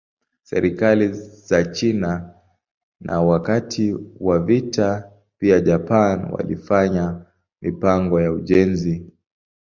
Serikali za China na wakati wa vita pia Japan walifanya mipango ya ujenzi.